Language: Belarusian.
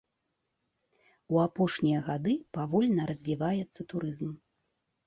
У апошнія гады павольна развіваецца турызм.